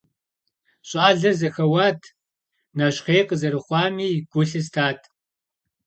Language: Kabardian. Щӏалэр зэхэуат, нэщхъей къызэрыхъуами гу лъыстат.